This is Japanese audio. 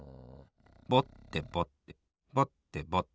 ぼってぼってぼってぼって。